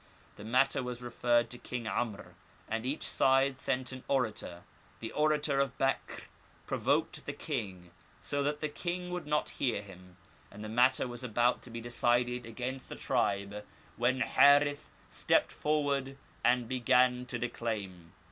The matter was referred to king *Amr, and each side sent an orator. The orator of Bekr provoked the king, so that the king would not hear him; and the matter was about to be decided against the tribe, when Hdrith stepped forward and began to declaim.